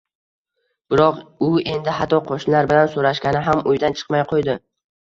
Biroq u endi hatto qo`shnilar bilan so`rashgani ham uydan chiqmay qo`ydi